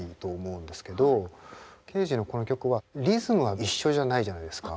ケージのこの曲はリズムは一緒じゃないじゃないですか。